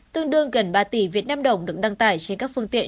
tương đương gần ba tỷ vnđ được đăng tải trên các phương tiện